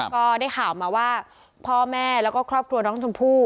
ก็ได้ข่าวมาว่าพ่อแม่แล้วก็ครอบครัวน้องชมพู่